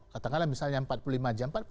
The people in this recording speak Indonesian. katakanlah misalnya empat puluh lima jam